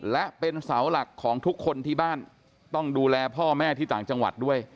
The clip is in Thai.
และเป็นเสาหลักของทุกคนที่บ้านต้องดูแลพ่อแม่ที่ต่างจังหวัดด้วย